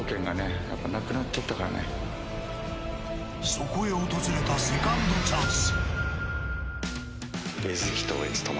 そこへ訪れたセカンドチャンス。